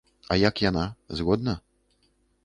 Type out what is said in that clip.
А як яна, згодна?